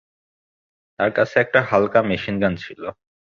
তার কাছে একটা হালকা মেশিনগান ছিল।